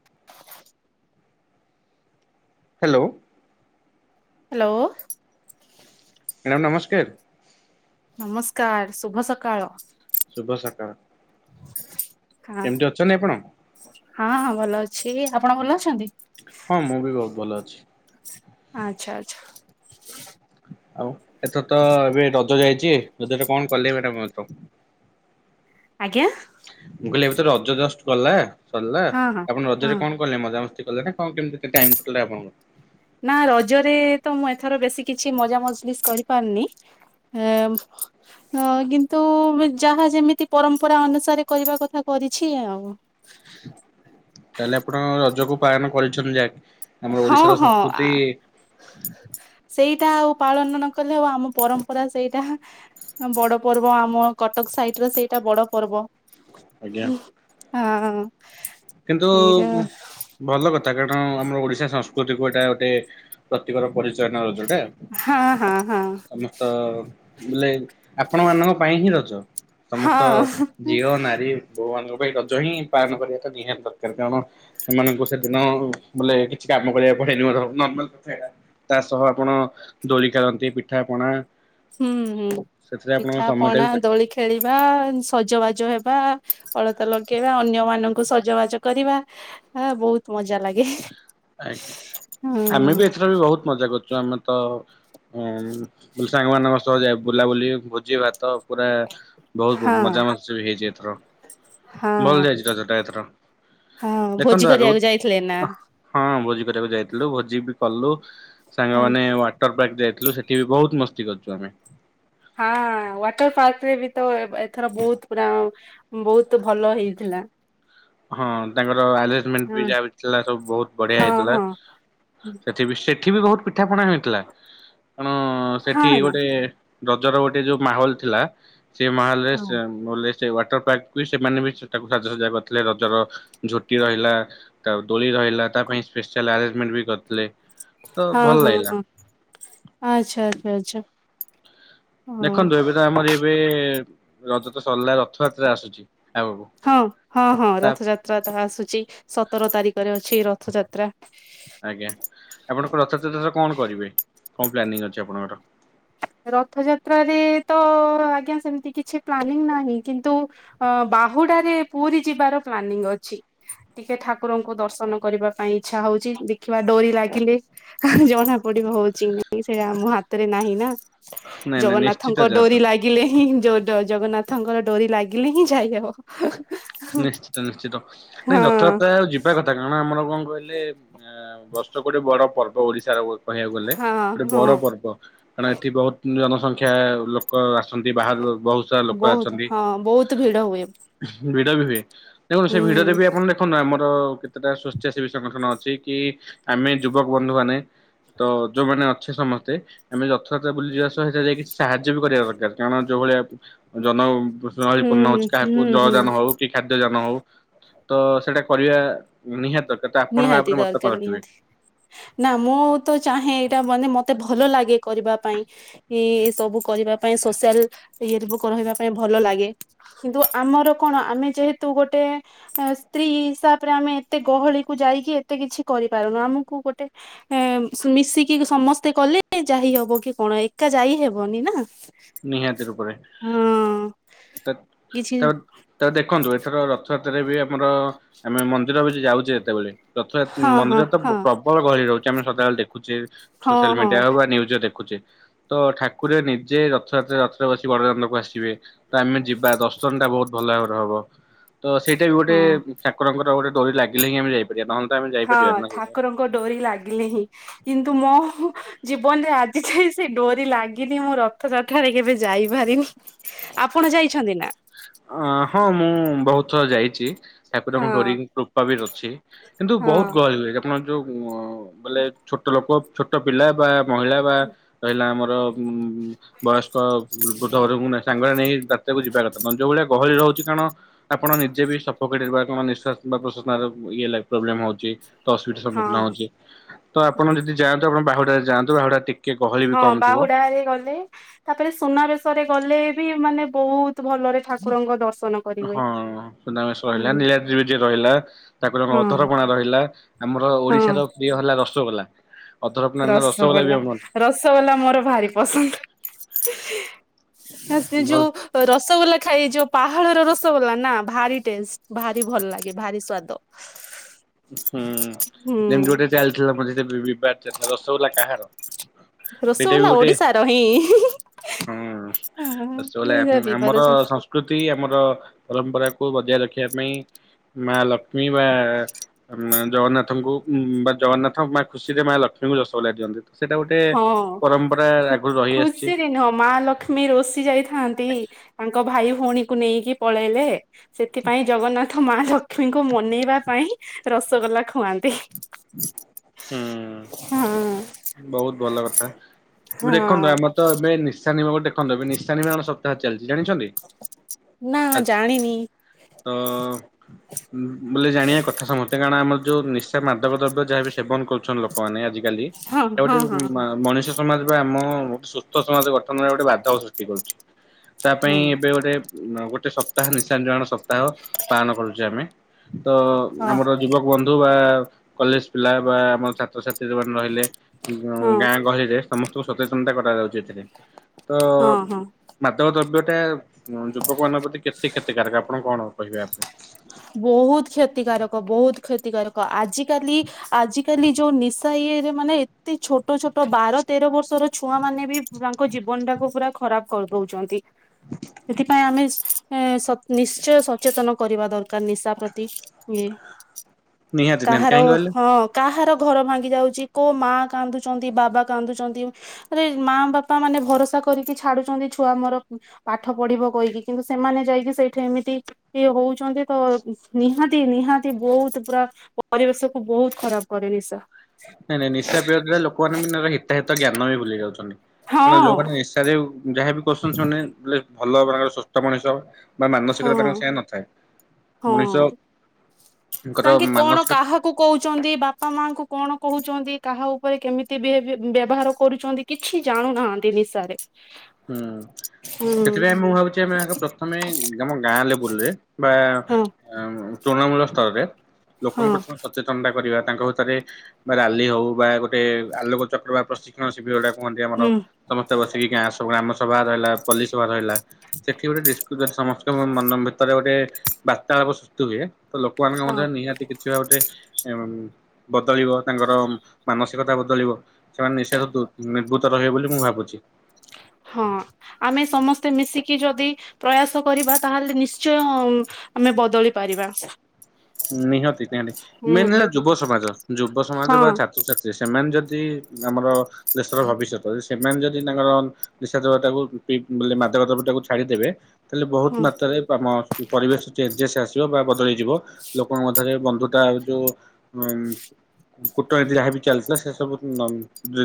[inaudible] Hello hello madam ନମସ୍କାର ନମସ୍କାର ଶୁଭ ସକାଳ। ଶୁଭ ସକାଳ। ହାଁ କେମିତି ଅଛନ୍ତି ଆପଣ? ହଁ ହଁ ଭଲ ଅଛି ଆପଣ ଭଲ ଅଛନ୍ତି? ହଁ ମୁଁ ବି ବହୁତ ଭଲ ଅଛି। ଆଚ୍ଛା ଆଚ୍ଛ ଆଉ ଏଥର ତ ଏବେ ରଜ ଯାଇଚି ରଜ ରେ କଣ କଲେ ମାଡାମ ଏଥର? ଆଜ୍ଞା। ମୁଁ କହିଲି ଏବେ ତ ରଜ ଜଷ୍ଟ ଗଲା ସରିଲା ହଁ ହଁ ଆପଣ ହଁ ରଜରେ କଣ କଲେ ମଜା ମ ସ୍ତି କଲେ ନା କଣ କେମତି ଟାଇମ କଟେଇଲେ ଆପଣଙ୍କର ନା ରଜରେ ତ ମୁଁ ଏଥର ବେଶୀ କିଛି ମଜା ମଜଲିସ୍ କରିପାରରିନି। ଏ ଅଁ କିନ୍ତୁ ଯାହା ଯେମିତି ପରମ୍ପରା ଅନୁସାରେ କରିବା କଥା କ ରିଛି ଆଉ ତାହେଲେ ଆପଣ ରଜକୁ ପାଳନ କରିଛନ୍ତି ଯାହା ହଁ ହଁ ଆ ସେଇଟା ଆଉ ପାଳନ ନ କଲେ ହବ ଆମ ପରମ୍ପରା ସେଇଟା ବଡ ପର୍ବ ଆମ କଟକ ସାଇଟ ର ସେଇଟା ବଡ ପର୍ବ। ଆଜ୍ଞା ଉଁ ହଁ କିନ୍ତୁ ଏଇଟା ଭଲ କଥା କାରଣ ଆମ ଓଡିଶା ସଂସ୍କୃତି କୁ ଏଟା ଗୋଟେ ପ୍ରତିଭାର ପରିଚାଳନା ରଜ ଟା ହଁ ହଁ ହଁ ସମସ୍ତ ବୋଲେ ଆପଣ ମାନଙ୍କ ପାଇଁ ହିଁ ରଜ। ସମସ୍ତ ହଁ ଝିଅ ନାରୀ ଭଗବାନଙ୍କ ପାଇଁ ରଜ ହିଁ ପାଳନ କରିବାଟା ନିହାତି ଦରକାର କାରଣ ସେମାନଙ୍କୁ ସେଦିନ ବୋଲେ କିଛି କାମ କରିବାକୁ ପଡେନି ବରଂ ନର୍ମାଲ ତା ସହ ଆପଣ ଦୋଳି ଖେଳନ୍ତି ପିଠା ପଣା ହୁଁ ହୁଁ ସେଥିରେ ଆପଣଙ୍କ ପିଠା ସମୟଟା ପଣା ବି କଟିଯାଏ। ଦୋଳି ଖେଳିବା ସଜବାଜ ହେବା ଅଳତା ଲଗେଇବା ଅନ୍ୟ ମାନଙ୍କୁ ସଜବାଜ କରିବା ଆ ବହୁତ ମଜା ଲାଗେ। ଆଜ୍ଞା ହୁଁ ଆମେ ବି ଏଥିର ବି ବହୁତ ମଜା କରୁଚୁ ଆମେ ତ ଅଁ ସାଙ୍ଗମାନଙ୍କ ସହ ଯାଏ ବୁଲାବୁଲି ଭୋଜି ଭାତ ପୁରା ବହୁତ ହଁ ମଜା ମସ୍ତି ହେଇଚି ଏଥର ହଁ ଭଲ ଯାଇଚି ରଜଟା ଏଥର ହଁ ଭୋଜି ଦେଖନ୍ତୁ ଆଗକୁ କରିବାକୁ ଯାଇଥିଲେ ନା ହଁ ହଁ ଭୋଜି କରିବାକୁ ଯାଇଥିଲୁ ଭୋଜି ବି କଲୁ ହଁ ସାଙ୍ଗମାନେ ୱାଟର ପାର୍କ ଯାଇ ଥିଲୁ ସେଠି ବି ବହୁତ ମସ୍ତି କରିଚୁ ଆମେ ହଁ ୱାଟର ପାର୍କ ରେ ବି ତ ଏଥର ବହୁତ ପୁରା ବହୁତ ଭଲ ହେଇଥିଲା। ହଁ ତାଙ୍କର ଆରେ୍ଜମଣ୍ଟ ବି ହଁ ଯାହାବି ଥିଲା ସବୁ ବହୁତ ବଢିଆ ହଁ ହେଇଥିଲା। ହଁ ସେଠି ବି ସେଠି ବି ବହୁତ ପିଠା ପଣା ହେଇଥିଲା କଣ ସେଠି ହଁ ନା ଗୋଟେ ରଜର ଗୋଟେ ଯୋଉ ମାହୋଲ ଥିଲା ସେ ମାହଲ ରେ ହଁ ସେ ସେ ୱାଟର ପାର୍କକୁ ସେମାନେ ବି ସେ ତାାକୁ ସାଜସଜା କରିଥିଲେ। ରଜର ଝୋଟି ରହିଲା। ତା ଦୋଳି ରହିଲ ତା ପାଇଁ ସ୍ପେଶାଲ ଆରେଞ୍ଜମେଣ୍ଟ ବି କରି ହଁ ହଁ ହଁ ଆଚ୍ଛା ଆଚ୍ଛା ଆଚଛା। ଦେଖନ୍ତୁ ଏବେ ତ ଆମର ଏବେ ରଜ ତ ସରିଲା ରଥଯାତ୍ରା ଆସୁଛି। ଆଗକୁ। ହଁ ହଁ ହଁ ତା ରଥଯାତ୍ରା ତାହା ଆସୁଛି। ସତର ତାରିଖରେ ଅଛି ରଥଯାତ୍ରା। ଆଜ୍ଞା ଆପଣଙ୍କ ରଥଯାତ୍ରାରେ କଣ କରିବେ? କଣ ପ୍ଲାନିଂ ଅଛି ଆପଣଙ୍କର? ରଥଯାତ୍ରାରେରେ ତ ଆଜ୍ଞା ସେମିତି କିଛି ପ୍ଲାନିଂ ନାହିଁ। କିନ୍ତୁ ବାହୁଡାରେ ପୁରୀ ଯିବାର ପ୍ଲାନିଂ ଅଛି। ଟିକେ ଠାକୁରଙ୍କୁ ଦର୍ଶନ କରିବା ପାଇଁ ଇ୍ଛା ହଉଛି। ଦେଖିବା ଡରି ଲାଗିଲେ ଜଣା ପଡିବ ହଉଛି। ନାଇଁ ସେଇଟା ଆମ ହାତରେ ନାହିଁ ନା। ନାଇଁ ନାଇଁ ନିଶ୍ଚିତ ଜଗନ୍ନାଥଙ୍କ ଯାଆନ୍ତୁ ଡୋରି ଲାଗିଲେ ହିଁ ଯୋଉ ଜଗନ୍ନା ତାଙ୍କର ଡୋରି ଲାଗିଲେ ହିଁ ଯାଇହବ। ନିଶ୍ଚିତ ନିଶ୍ଚିତ ନାଇଁ ହଁ ରଥଯାତ୍ରା ଆଉ ଯିବା କଥା କାରଣ ଆମର କଣ କହିଲେ ଆ ବର୍ଷ ଗୋଟେ ବଡ ପର୍ବ ଓଡିଶାର ଗୋ କହିବାକୁ ଗଲେ ହଁ ଗୋଟେ ବଡ ହଁ ପର୍ବ କାରଣ ଏଠି ବୋହୁତ୍ ନିୟନ ସଂଖ୍ୟା ଲୋକ ଆ ଛନ୍ତି ବାହାରର ବୋହୁତ ସାରା ଲୋକ ବହୁତ ଆଛନ୍ତି। ହଁ ବହୁତ ଭିଡ ହୁଏ। ଭିଡି ବି ହୁଏ ଦେଖନ୍ତୁ ହୁଁ ସେ ଭିଡିରେ ବି ଆପଣ ଦେଖନ୍ତୁ ଆମର ର କେତେଟା ସ୍ଵଚ୍ଛା ସେବୀ ସଂଗଠନ ଅଛି କି ଆମେ ଯୁବକ ବନ୍ଧୁମାନେ ତ ଯୋଉମାନେ ଅଛେ ସମସ୍ତେ ଆମେ ଯଥଯାତ୍ରା ବୁଲିଯିବା ସହିତ ଯାଇକି ସାହାଯ୍ୟ ବି କରିବା ଦରକାର କାରଣ ଯୋଉ ଭଳିଆ ଜନ ହୁଁ ଗହଳିପୂର୍ଣ୍ଣ ହୁଁ ଅଛି କାହାକୁ ହୁଁ ହୁଁ ଯାନ ହୋଉ କି ଖାଦ୍ୟ ଯାନ ହୋଉ ତ ସେଇଟା କରିବା ନିହାତ ଦ ନିହାତି ଦରକାର ନିହାତି ନା ମୁଁ ତ ଚାହେଁ ଟା ମାନେ ମତେ ଭଲ ଲାଗେ କରିବା ପାଇଁ ଏ ସବୁ କରିବା ପାଇଁ ସୋସିଆଲ ଇଏରେ କରିବୁ ରହିବା ପାଇଁ ଭଲ ଲାଗେ କିନ୍ତୁ ଆମର କଣ ଆମେ ଯେହେତୁ ଗୋଟେ ଏ-ସ୍ତ୍ରୀ ତାପରେ ଆମେ ଏତେ ଗହଳି କୁ ଯାଇକି ଏତେ କିଛି କରିପାରୁନୁ ଆମକୁ ଗୋଟେ ଏ ମିଶିକି ସମସ୍ତେ କଲେ ଯା ହେ ଇ ହବ କି କଣ ଏକା ଯାଇ ହେବନି ନା। ନିହାତି ରୂପରେ। ହଁ ତେ କିଛି ତେବେ ତେବେ ଦେଖନ୍ତୁ ଏଥର ରଥଯାତ୍ ରେ ବି ଆମର ଆମେ ମନ୍ଦିର ବି ଯାଉଚେ ଯେତେବେଳେ ରଥ ଯା ହଁ ହଁ ମନ୍ଦିରରେ ତ ହଁ ପ୍ରବଳ ଗହଳି ରହୁଚି। ଆମେ ସଦାବେଳେ ଦେଖୁଚେ ସୋସିଆଲ ହଁ ହଁ ମିଡିଆ ହୋଉ ବା ନ୍ୟୁଜରେ ଦେଖୁଚେ ତ ଠାକୁରେ ନିଜେ ର ରଥଯାତ୍ରା ରଥରେ ବସି ବଡଦାଣ୍ଡକୁ ଆସିବେ ତ ଆମେ ଯିବା ଦର୍ଶନଟା ବୋହୁତ ଭଲ ଭାବରେ ହବ। ତ ସେଇଟା ବି ଗୋଟେ ହଁ। ଠାକୁରଙ୍କର ଗୋଟେ ଡୋରି ଲାଗିଲେ ହିଁ ଆମେ ଯାଇପାରିବା ନହେନ ହଁ ଠାକୁରଙ୍କ ଡୋରି ଲାଗିଲେ ହିଁ କିନ୍ ତୁ ମୋ ଜୀବନରେ ଆଜି ଯାଏ ସେ ଡୋରି ଲାଗିନି ମୁଁ ରଥଯାତ୍ରାରେ କେବେ ଯାଇପାରିନି। ଆପଣ ଯାଇଛନ୍ତି ନା? ଅଁ ହଁ ମୁଁ ବୋହୁତ ଥର ଯାଇଚି। ହଁ ଠାକୁରଙ୍କ ଡୋରି ବି କୃପା ବି ଅଛି କିନ୍ତୁ ହଁ ବୋହୁତୁ ଗହଳି ହୁଏ ଆପଣଙ୍କର ଯୋଉ ଅ ବୋଇଲେ ଛୋଟ ଲୋକ ଛୋଟ ପିଲା ବା ମହିଳା ବା ରହିଲା ଆମର ବୟସ୍କ ବୃଦ୍ଧହୁରକୁ ସାଙ୍ଗରେ ନେଇ ଯାତ୍ରାକୁ ଯିବା କଥା ନୁହଁ ଯୋଉ ଭଳିଆ ଗହଳି ରହୁଚି କାରଣ ଆପଣ ନିଜେ ବି ସଫୋକେଟେଡ୍ ବା କଣ ନିସ୍ୱାସ ବା ପ୍ରଶ୍ୱାସ ଇଏ ଲାଗେ ପ୍ରୋବ୍ଲେମ ହୋଉଛି। ତ ଅସୁବିଧାର ହଁ ସମ୍ମୁଖୀନ ହୋଉଚି ତ ଆପଣ ଯଦି ଯାଆନ୍ତୁ ଆପଣ ବାହୁଡାରେ ଯାଆନ୍ତୁ ବାହୁଡ଼ା ଟିକ ହଁ ବାହୁଡାରେ ଗଲେ ତାପରେ ସୁନାବେଶରେ ଗଲେ ବି ମାନେ ବୋହୁତ ଭଲରେ ଠାକୁରଙ୍କ ଦର୍ଶ ହଁ ସୁନାବେଶର ରହିଲା ନୀଳାଦ୍ରିବିଜେ ରହିଲା ତାପରେ ହଁ ଅଧରପଣା ରହିଲା ଆମ ଆମର ହଁ ଓଡ଼ିଶାର ପ୍ରିୟ ହେଲା ରସଗୋଲା। ଅଧରପଣା ନା ବି ରସଗୋଲା ଆମର ରସଗୋଲା ମୋର ଭାରି ପସନ୍ଦ। ଆ ସେ ଭଲ ଯୋଉ ରସଗୋଲା ଖାଇ ଯୋଉ ପାହା ଳର ରସଗୋଲା ନା ଭାରି ଟେଷ୍ଟ ଭାରି ଭଲ ଲାଗେ ଭାରି ସ୍ଵାଦ ହୁଁ ଯେମତି ହୁଁ। ଗୋଟେ ଚାଲିଥିଲା ମଝିରେ ବି-ବିବାଦ ଚାଲଥିଲା ରସଗୋଲା କାହାର? ସେଇଟା ବି ରସଗୋଲା ଗୋଟେ ଓଡିଶାର ହିଁ। ହଁ ହଁ ରସଗୋଲା ଏଇରା ବିବାଦ ଆମର ଚାଲିଛି। ସଂସ୍କୃତି ଆମର ପରମ୍ପରାକୁୁ ବଜାୟ ରଖିବା ପାଇଁ ମା ଲକ୍ଷ୍ମୀ ବା ଉମ୍-ଜଗନ୍ନାଥଙ୍କୁ ବା ଜଗନ୍ନାଥ ମାଆ ଖୁସିରେ ମାଆ ଲକ୍ଷ୍ମୀ ଙ୍କୁ ରସଗୋଲା ଦିଅନ୍ତି ତ ସେଟା ଗୋଟେ ହଁ ପରମ୍ପରା ଆଗରୁ ରହିଆସିଚି। ହଁ ମାଆ ଲକ୍ଷ୍ମୀ ରୁଷି ଯାଇଥାନ୍ତି ତାଙ୍କ ଭାଇ ଭୋଉଣୀଙ୍କୁ ନେଇକି ପଳେଇଲେ ସେଥିପାଇଁ ଜଗନ୍ନାଥ ମା ଲକ୍ଷ୍ମୀଙ୍କୁ ମନେଇବା ପାଇଁ ରସଗୋଲା ଖୁଆନ୍ତି। ହୁଁ ହଁ ବୋହୁତ ଭଲ କଥା ପୁର ଦେଖନ୍ତୁ ହଁ ଆମର ତ ଏବେ ନିଶା ନିର ଏବେ ନିଶା ନିବାରଣ ସପ୍ତାହ ଚାଲିଛି ଜାଣିଛନ୍ତି? ନା ଆଜି ଜାଣିନି ତ ବୋଇଲେ ଜାଣିବା କଥା ସମସ୍ତେ କାରଣ ଆମର ଯୋଉ ନି ସେ ମାଦବ ଦ୍ରବ୍ୟ ଯାହାବି ସେବନ କରୁଛନ୍ତି ଲୋକମାନେ ଆଜି କାଲି ହଁ ହଁ ହଁ ହଁ ମଣିଷ ସମାଜ ବା ଆମ ମୁକ୍ତ ସମାଜ ଗଠନରେ ଗୋଟେ ବାର୍ତ୍ତା ସୃଷ୍ଟି କରୁଛି। ତା ହଁ ପାଇଁ ଏବେ ଗୋଟେ ଗୋଟେ ସପ୍ତାହ ନିଶା ସପ୍ତାହ ପାଳନ କରୁଛେ ଆମେ ତ ହଁ। ଆମର ଯୁବକ ବନ୍ଧୁ ବା କଲେଜ୍ ପିଲା ବା ଆମର ଛାତ୍ରଛାତ୍ରୀ ଯୋଉମାନେ ରହିଲେ ହଁ ଗାଁ ଗହଳିରେ ସମସ୍ତଙ୍କୁ ସଚେତନତା କରାଯାଉଛି ଏଠି। ତ ହଁ ହଁ ମାଦକ ଦ୍ରବ୍ୟ ଏା ଯୁବକମାନ ପ୍ରତି କେତେ କ୍ଷତିକାରକ ଆପଣ କଣ କହିବେ ଆ ଉପରେ। ବହୁତ କ୍ଷତିକାରକ ବହୁତ କ୍ଷତିକାରକ ଆଜିକାଲି ଆଜିକାଲି ଯୋଉ ନିଶା ଇଏରେ ମାନେ ଏତେ ଛୋଟ ଛୋଟ ବାର ତେର ବର୍ଷର ଛୁଆ ମାନେ ବି ତାଙ୍କ ଜୀବନ ଟାକୁ ପୁରା ଖରାପ କରୁଛନ୍ତି। କହୁଛନ୍ତି ସେଥିପାଇଁ ଆମେ ନିଶ୍ଚୟ ସଚେତନ କରିବା ଦରକାର। ନିଶା ପ୍ରତି ଇଏ ନିହାତି ନିହାତି କାହାର କାହିଁକି କହିଲେ ହଁ କାହାର। ଘର ଭାଙ୍ଗି ଯାଉଛି କୋଉ ମା କାନ୍ଦୁଛନ୍ତି ବାବା କାନ୍ଦୁଛନ୍ତି ଆରେ ମା ବାପା ମାନେ ଭରସା କରିକି ଛାଡୁଛନ୍ତି ଛୁଆ ମୋର ପାଠ ପଢିବ କହିକି। କିନ୍ତୁ ସେମାନେ ଯାଇକି ସେଇଠା ଏମିତି ଇଏ ହଉଛନ୍ତି। ତ ନିହାତି ନିହାତି ବହୁତ ପୁରା ପରିବେଶ କୁ ବହୁତ ଖରାପ କରେ ନିଶା। ନାଇଁ ନାଇଁ ନିଶା ପ୍ରିୟ ଥିଲା ଲୋକମାନୋନ ବି ହିତାହିତ ଜ୍ଞାନ ବି ଭୁଲି ଯାଉଛନ୍ତି। କାରଣ ହଁ ଯୋଉମାନେ ନିଶା ଯାହାବି କରୁଛନ୍ତି ସେମାନେ ବି ଭଲ [unintelligible] ସୁସ୍ଥ ମଣିଷ ବା ହଁ ମାନସିକତା ତାଙ୍କ ସେୟା ନଥାଏ ହଁ ମଣିଷ ତାଙ୍କେ କଣ କାହାକୁ କହୁଛନ୍ତି ବାପା ମାଙ୍କୁ କଣ କହୁଛନ୍ତି କାହା ଉପରେ କେମିତି ବିହେବି ବ୍ୟବହାର କରୁଛନ୍ତି କିଛି ଜାଣୁନାହାନ୍ତି ନିଶାରେ। ହୁଁ ହୁଁ ସେଥିପାଇଁ ମୁଁ ଭାବୁଛି ଆମେ ପ୍ରଥମେ ଆମ ଗାଁ ଲେବୁଲରେ ବା ହଁ ତୃଣମୂଳ ସ୍ତରରେ। ହଁ ଲୋକଙ୍କ ଠୁ ସଚେତନତା କରିବାର। ତାଙ୍କ ଭିତରେ ରାଲି ହଉ ବା ଗୋଟେ ଆଲୋକଚକ୍ର ବା ପ୍ରଶିକ୍ଷଣ ଶିବିର ଗୁଟା କୁହଣ୍ ଆମର ହୁଁ ସମସ୍ତେ ବସିକି ଗାଁ ଆସ। ଗ୍ରାମ ସଭା ରହିଲ ପଲ୍ଲୀ ସଭା ରହିଲା ସେଠି ଗୋଟ ଦିଷ୍ [unintelligible] ମନ ଭିତରେ ଗୋଟେ ବାର୍ତ୍ତାଳାପ ସୃଷ୍ଟି ହୁଏ ତ ଲୋକମାନଙ୍କ ହଁ ମଧ୍ୟରେ ନିହାତି। ସଏ ବା ଗୋଟେ ବଦଳିବ ତାଙ୍କର ମାନସିକତା ବଦଳିବ ସେମାନେ ନିଶାଠୁ ଦୁର ନିର୍ଭୂତ ରହେ ବୋଲି ମୁଁ ଭାବୁଛି। ହଁ ଆମେ ସମସ୍ତେ ମିଶିକି ଯଦି ପ୍ରୟାସ କରିବା ତା ହେଲେ ନିଶ୍ଚୟ ଉଁ ଆମେ ବଦଳି ପାରିବା। ନିହାତି ନିହାତି ହୁଁ ମେନ ହେଲା ଯୁବ ସମାଜ ଯୁବ ସମାଜ ହଁ ବା ଛାତ୍ରଛାତ୍ରୀ ସେମାନେ ଯଦି [unintelligible] ଆମର ଦେଶର ଭବିଷ୍ୟତ ସେମାନେ ଯଦି ତାଙ୍କର ନିଶା ଦେବାଟାକୁ ମାଦକ ଦ୍ରବ୍ୟ ଟାକୁ ଛାଡିଦେବେ ତାଲେ ବହୁତ ହଁ ମାତ୍ରାରେ ଆମ ପରିବେଶ ଚେଞଜସ୍ ଆସିବ ବା ବଦଳେଇଯିବ। ଲୋକଙ୍କ ମତରେ ବନ୍ଧୁତା ଯୋଉ ଉଁ କୂଟନୀତି ଯାହାବ ଚାଲିଥିଲା ସେ ସବୁ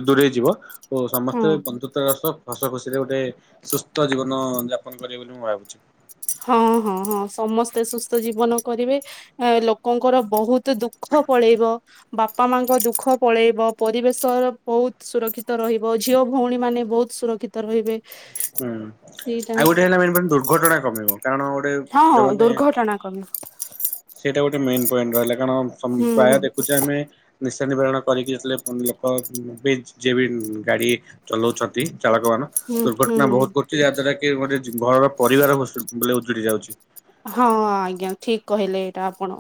ଦୂରେଇ ଯିବ। ଓ ହଁ ସମସ୍ତେ ବନ୍ଧୁତା ର ସହ ହସ ଖୁସିରେ ଗୋଟେ ସୁସ୍ଥ ଜୀବନ ଯାପନ କରିବେ ବୋଲି ମୁଁ ଭାବୁଛି ହଁ ହଁ ହଁ ସମସ୍ତେ ସୁସ୍ଥ ଜୀବନ କରିବେ ଲୋକଙ୍କର ବହୁତ ଦୁଃଖ ପଳେଇବ ବାପା ମାଙ୍କ ଦୁଃଖ ପଳେଇବ ପରିବେଶ ବହୁତ ସୁରକ୍ଷିତ ରହିବ ଝିଅ ଭଉଣୀ ମାନେ ବହୁତ ସୁରକ୍ଷିତ ରହିବେ। ହୁଁ ସେଇଟା ଆଉ ଗୋଟେ ହେଲା ମନ୍ ଦୁର୍ଘଟଣା କ କାରଣ ଗୋଟେ ହଁ ହଁ ଯୋଉ ଦୁର୍ଘଟଣା କମିବ ସେଟା ଗୋଟେ ମେନ୍ ପଏଣ୍ଟ ରହିଲା କାରଣ ହୁଁ ପ୍ରାୟ ହୁଁ ଦେଖୁଛେ ଆମେ ନି ସେ ନିବାରଣ କରିକି ସେ ଲୋକ ବି ଯିଏ ବି ଗାଡ଼ି ଚଲାଉଛନ୍ତି ଚାଳକ ମାନ ହୁଁ ହୁଁ ଦୁର୍ଘଟଣା ବହୁତ ଘୁଟୁଚି ଯାହା ଦ୍ୱାରା କି ଗୋଟେ ଘରର ପରିବାର ବୁଷୁ ବୋଇଲେ ଉଜୁଡି ଯାଉଛି। ହଁ ଆଜ୍ଞା ଠିକ କହିଲେ ଏଇଟା ଆପଣ।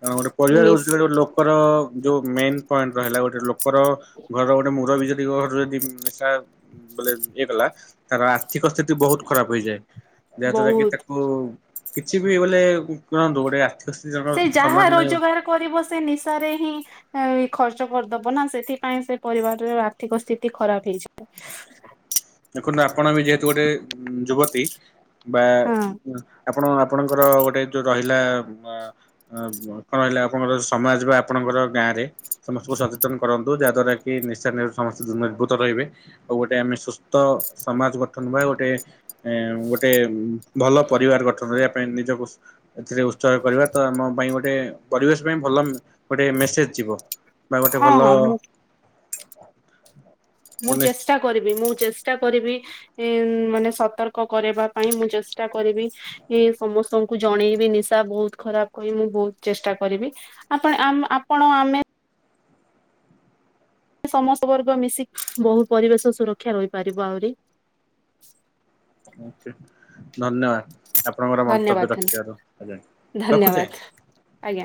କଣ ଗୋଟେ ପରିବାର ହଉଛି ନିସ୍ ଗୋେ ଗେ ଲୋକର। ଯୋଉ ମେନ୍ ପଏଣ୍ଟ ରହିଲା ଗୋଟେ ଲୋକର ଘର ଗୋଟେ ମୂୁର ବିଜ ଘ ଯଦି ନିଶା ବୋ ଇଏ ଗଲା ତାର ଆଠିକ ସ୍ଥିତି ବହୁତ ଖରାପ ହେଇଯାଏ ଯାହାଦ୍ଵାରା କି ବହୁତ ତାକୁ କିଛି ବି ବୋଲେ କୁଣନ୍ତୁ ଗୋଟେ ଆର୍ଥିକ ସ୍ଥିତି ଜଣର ସେ ଯାହା ରୋଜଗାର କରିବ ସେ ନିଶାରେ ହିଁ ଖର୍ଚ୍ଚ କରିଦବ ନା ସେଥିପାଇଁ ସେ ପରିବାରର ଆର୍ଥିକ ସ୍ଥିତି ଖରାପ ହେଇଯିବ। ଦେଖନ୍ତୁ ଆପଣ ବି ଯେହେତୁ ଗୋଟେ ଯୁବତୀ ବା ହଁ ଆପଣ ଆପଣଙ୍କର ଗୋଟେ ଯୋଉ ରହିଲା କଣ ରହିଲା ଆପଣଙ୍କର ସମାଜ ବା ଆପଣଙ୍କ ଆମର ଗାଁ ରେ। ସମସ୍ତଙ୍କୁ ସଚେତନ କରନ୍ତୁ ଯାହା ଦ୍ଵାରା କି ନିଶା ନି ସମେ ଦ ନିର୍ଭୂତ ରହିବେଉ ଗୋଟେ ଆମେସ୍ଥ ତ ସମାଜ ଗଠନ ବା ଗୋଟେ ଗୋଟେ ଭଲ ପରିବାର ଗଠନ କରିବା ପାଇଁ ନିଜକୁ ଏଥିରେ ଉତ୍ସ କରିବା ତ ଆମ ପାଇଁ ଗୋଟେ ପରିବେଶ ପାଇଁ ଭଲ ଗୋଟେ ମେସେଜ ଯିବ। ବା ଗୋଟେ ହଁ ଭଲ ହଁ ମୁଁ ମୁଁ ଚେଷ୍ଟା କରିବି ମୁଁ ଚେଷ୍ଟା ଚୋ କରିବି ମାନେ ସତର୍କ କରିବା ପାଇଁ ମୁଁ ଚେଷ୍ଟା କରିବି ସମସ୍ତଙ୍କୁ ଜଣେଇବି ନିଶା ବହୁତ ଖରାପ କହି ମୁଁ ବହୁତ ଚେଷ୍ଟା କରିବି ଆ ଆପଣ ଆମେ ସମସ୍ତ ବର୍ଗ ମିଶି ବହୁ ପରିବେଶ ସୁରକ୍ଷା ରହିପାରିବ ଆହୁରି। ଓ ଧନ୍ୟବାଦ। ଆପଣଙ୍କର ମନ୍ତବ୍ୟ ଧନ୍ୟବାଦ ରଖିଥିବାରୁ ରଖୁଛ। ଧନ୍ୟବାଦ ଆଜ୍ଞା